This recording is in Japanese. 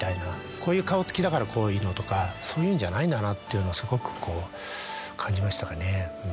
こういう顔つきだからこういうのとかそういうんじゃないんだなというのはすごく感じましたかね。